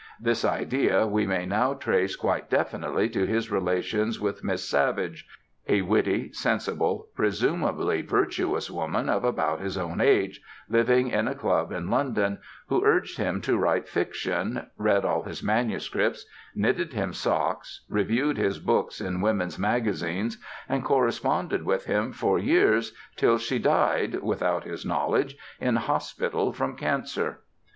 This idea we may now trace quite definitely to his relations with Miss Savage, a witty, sensible, presumably virtuous woman of about his own age, living in a club in London, who urged him to write fiction, read all his manuscripts, knitted him socks, reviewed his books in women's magazines and corresponded with him for years till she died, without his knowledge, in hospital from cancer.